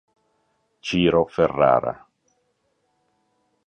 Ciro Ferrara.